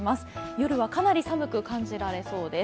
夜はかなり寒く感じられそうです。